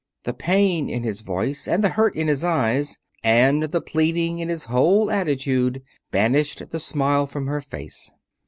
The pain in his voice, and the hurt in his eyes, and the pleading in his whole attitude banished the smile from her face.